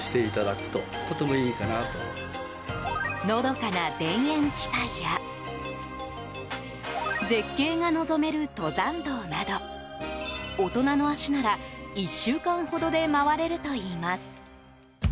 のどかな田園地帯や絶景が望める登山道など大人の足なら、１週間ほどで回れるといいます。